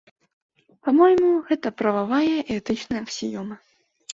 Па-мойму, гэта прававая і этычная аксіёма.